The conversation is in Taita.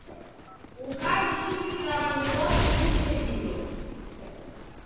Ukaw'ishingira w'andu wose w'ije vindo